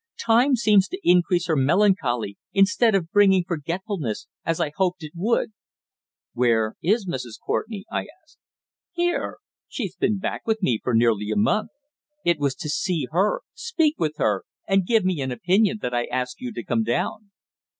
Time seems to increase her melancholy, instead of bringing forgetfulness, as I hoped it would." "Where is Mrs. Courtenay?" I asked. "Here. She's been back with me for nearly a month. It was to see her, speak with her, and give me an opinion that I asked you to come down."